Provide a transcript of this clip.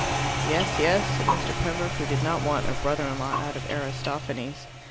"Yes, yes," said Mr. Pembroke, who did not want a brother in law out of Aristophanes.